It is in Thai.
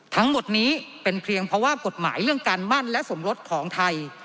ทั้งหมดนี้เป็นเพียงเพราะว่ากฎหมายเรื่องการมั่นและสมรสของไทย